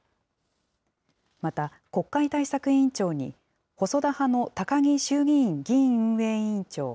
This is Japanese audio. また、国会対策委員長に、細田派の高木衆議院議院運営委員長。